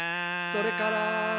「それから」